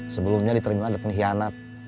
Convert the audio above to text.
sebelumnya di terminal ada pengkhianat